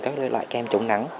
các loại kem chống nắng